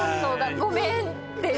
「ごめん」っていう。